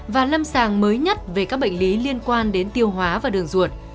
và lâm sàng mới nhất về các bệnh lý liên quan đến tiêu hóa và đường ruột